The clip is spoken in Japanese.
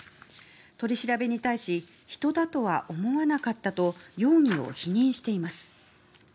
取り調べに対し人だとは思わなかったと容疑を否認しています。